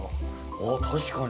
あっ確かに。